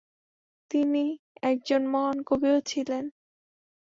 তিনি একজন মহান কবিও ছিলেন।